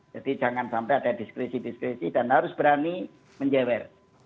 jadi jangan sampai ada diskresi diskresi dan harus berani menjewer